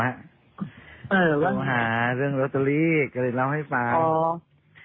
โทรหาเรื่องลอตเตอรี่ก็เลยเล่าให้ฟัง